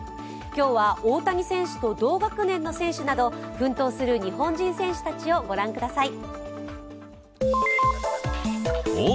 今日は大谷選手と同学年の選手など奮闘する日本人選手たちを御覧ください。